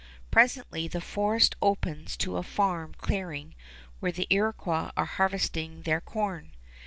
Presently the forest opens to a farm clearing where the Iroquois are harvesting their corn.